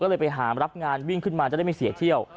ก็เลยไปหารับงานวิ่งขึ้นมาจะได้ไม่เสียเที่ยว